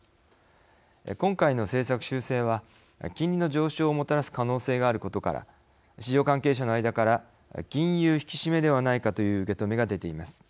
今回の政策修正は金利の上昇をもたらす可能性があることから市場関係者の間から金融引き締めではないかという受け止めが出ています。